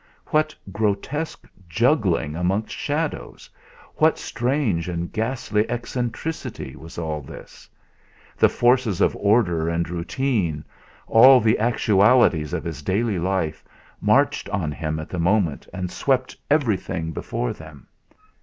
What grotesque juggling amongst shadows, what strange and ghastly eccentricity was all this? The forces of order and routine, all the actualities of his daily life, marched on him at that moment, and swept everything before them.